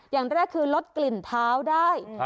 อย่างแรกคือลดกลิ่นเท้าได้